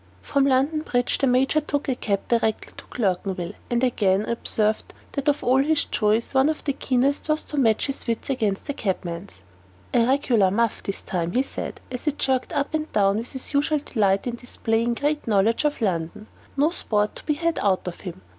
From London Bridge the Major took a cab direct to Clerkenwell; and again I observed that of all his joys one of the keenest was to match his wits against a cabman's. "A regular muff, this time," he said, as he jerked up and down with his usual delight in displaying great knowledge of London; "no sport to be had out of him.